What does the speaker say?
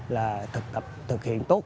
là thực hiện tốt